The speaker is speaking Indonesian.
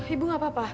ibu enggak apa apa